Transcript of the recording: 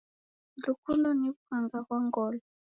Lukundo ni wughanga ghwa ngolo